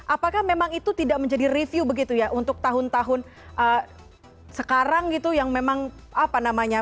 apakah memang itu tidak menjadi review begitu ya untuk tahun tahun sekarang gitu yang memang apa namanya